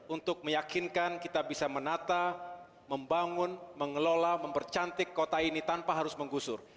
untuk meyakinkan kita bisa menata membangun mengelola mempercantik kota ini tanpa harus menggusur